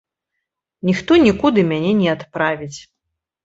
Ніхто нікуды мяне не адправіць.